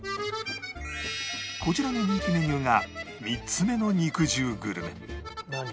こちらの人気メニューが３つ目の肉汁グルメ